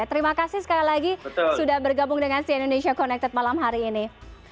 terima kasih sekali lagi sudah bergabung dengan cn indonesia connected malam hari ini